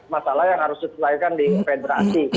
masalah yang harus diselesaikan di federasi